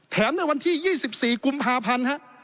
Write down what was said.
ในวันที่๒๔กุมภาพันธ์